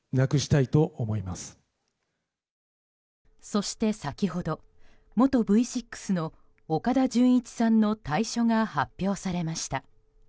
そして先ほど元Ｖ６の岡田准一さんの退所が発表されました。